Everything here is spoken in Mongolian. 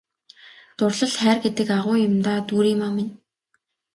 Дурлал хайр гэдэг агуу юм даа Дүүриймаа минь!